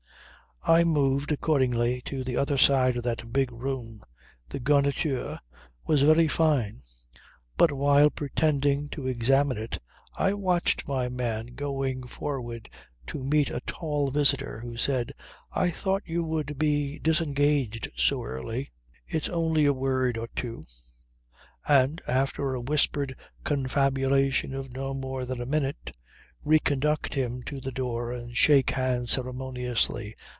I moved accordingly to the other side of that big room. The garniture was very fine. But while pretending to examine it I watched my man going forward to meet a tall visitor, who said, "I thought you would be disengaged so early. It's only a word or two" and after a whispered confabulation of no more than a minute, reconduct him to the door and shake hands ceremoniously.